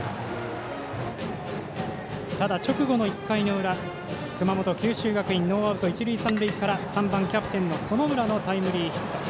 ただ、直後の１回の裏熊本、九州学院ノーアウト、一塁三塁から３番、キャプテンの園村のタイムリーヒット。